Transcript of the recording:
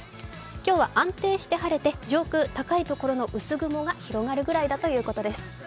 今日は安定して晴れて上空、高いところの薄雲が広がるぐらいだということです。